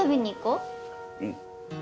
うん。